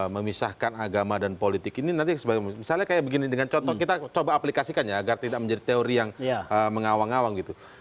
memisahkan agama dan politik ini nanti sebagai misalnya kayak begini dengan contoh kita coba aplikasikannya agar tidak menjadi teori yang mengawang awang gitu